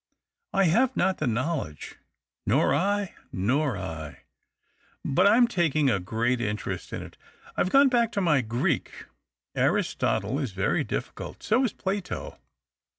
" I have not the knowledsje." " Nor I — nor I. But I am taking a great interest in it. I have gone back to my Greek. Aristotle is very difficult — so is Plato.